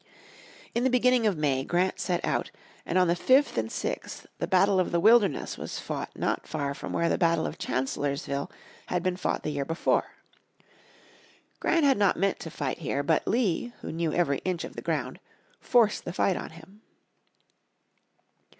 In the beginning of May, Grant set out, and on the 5th and 6th the battle of the Wilderness was fought not far from where the battle of Chancellorsville had been fought the year before. Grant had not meant to fight here, but Lee, who knew every inch of the ground, forced the fight on him.